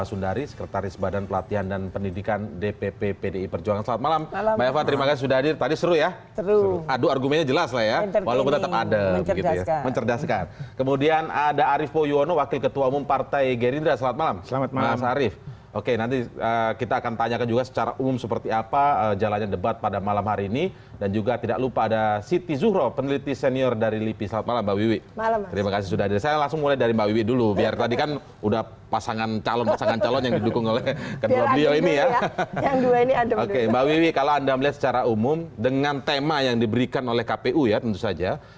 oke mbak wiwi kalau anda melihat secara umum dengan tema yang diberikan oleh kpu ya tentu saja